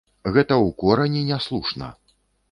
Гэта ў корані няслушна.